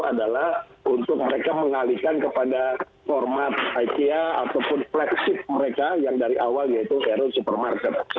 adalah untuk mereka mengalihkan kepada format ica ataupun flagship mereka yang dari awal yaitu hero supermarket